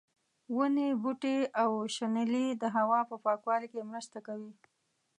ونې، بوټي او شنېلی د هوا په پاکوالي کې مرسته کوي.